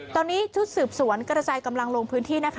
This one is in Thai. ตอนนี้ถึงสืบสวนกระจายกำลังหลูงพื้นที